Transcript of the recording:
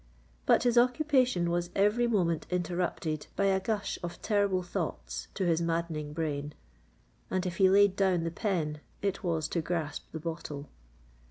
But his occupation was every moment interrupted by a gush of terrible thoughts to his maddening brain;—and if he laid down the pen, it was to grasp the bottle.